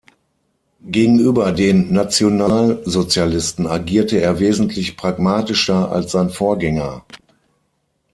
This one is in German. Gegenüber den Nationalsozialisten agierte er wesentlich pragmatischer als sein Vorgänger.